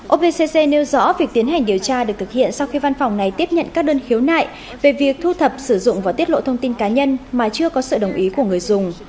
opc nêu rõ việc tiến hành điều tra được thực hiện sau khi văn phòng này tiếp nhận các đơn khiếu nại về việc thu thập sử dụng và tiết lộ thông tin cá nhân mà chưa có sự đồng ý của người dùng